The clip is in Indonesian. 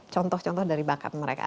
contoh contoh dari bakat mereka